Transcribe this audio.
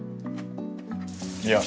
いや。